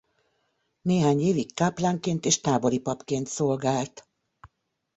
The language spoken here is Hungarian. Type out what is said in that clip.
Néhány évig káplánként és tábori papként szolgált.